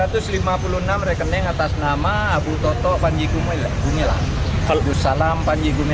abdus salam panji gemilang